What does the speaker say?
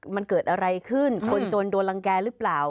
มันเกิดอะไรขึ้นคนจนโดนรังแก่หรือเปล่า